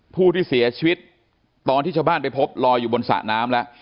ผู้ที่เสียชีวิตตอนที่ชาวบ้านไปพบลอยอยู่บนสระน้ำแล้ว